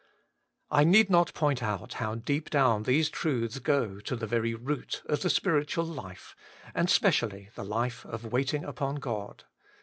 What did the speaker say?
I need not point out how deep down these truths go to the very root of the spiritual life, and specially the life of "Waiting upon God.